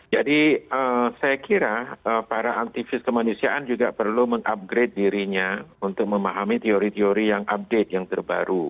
jadi saya kira para aktivis kemanusiaan juga perlu mengupgrade dirinya untuk memahami teori teori yang update yang terbaru